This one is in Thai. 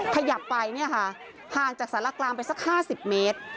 ขยับไปห่างจากสารกลางไปสัก๕๐เมตร